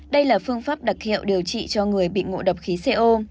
đây là phương pháp đặc hiệu điều trị cho người bị ngộ độc khí co